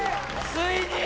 ついに！